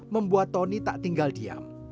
membuat tony tak tinggal diam